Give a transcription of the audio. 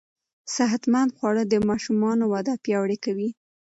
صحتمند خواړه د ماشوم وده پياوړې کوي.